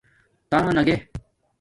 تناگے